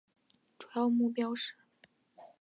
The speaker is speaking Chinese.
主要目标是